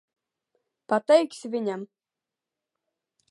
Pateiksi viņam?